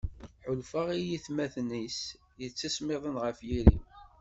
Ḥulfaɣ i yimetman-is yettismiḍen ɣef yiri-w.